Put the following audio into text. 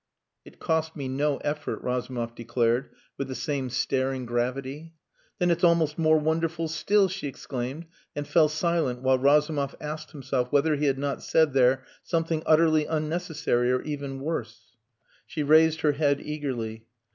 "It cost me no effort," Razumov declared, with the same staring gravity. "Then it's almost more wonderful still!" she exclaimed, and fell silent while Razumov asked himself whether he had not said there something utterly unnecessary or even worse. She raised her head eagerly.